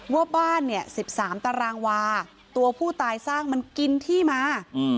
ว่าบ้านเนี่ย๑๓ตารางวาตัวผู้ตายสร้างมันกินที่มา